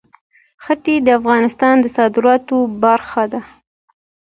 ښتې د افغانستان د صادراتو برخه ده.